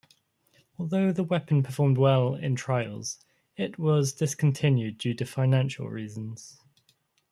Although the weapon performed well in trials, it was discontinued due to financial reasons.